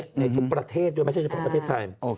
ในทุกประเทศด้วยไม่ใช่เฉพาะประเทศไทย